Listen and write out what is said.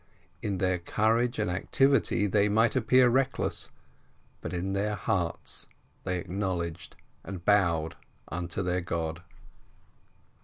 In their courage and activity they might appear reckless, but in their hearts they acknowledged and bowed unto their God.